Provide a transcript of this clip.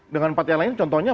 dengan empat yang lain contohnya